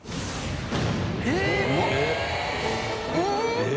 えっ？